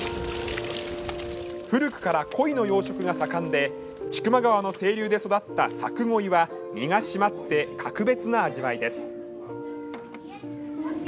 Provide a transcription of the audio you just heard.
古くからこいの養殖が盛んで千曲川の清流で育った佐久鯉は身が締まって格別な味わいです。